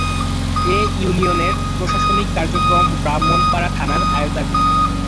এ ইউনিয়নের প্রশাসনিক কার্যক্রম ব্রাহ্মণপাড়া থানার আওতাধীন।